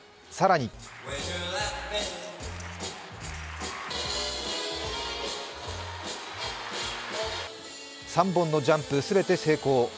更に３本のジャンプ全て成功。